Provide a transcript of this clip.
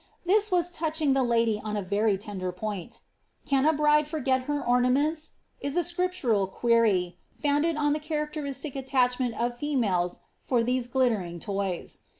This was touching the lady on a very tender point. *• Can a bride forget her ornaments ?" is a scriptural quer\', founded on the cha racteristic attachment of females for these glittering toys.